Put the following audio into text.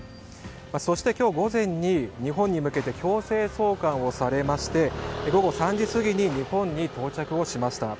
そして今日午前に日本に向けて強制送還されまして午後３時過ぎに日本に到着をしました。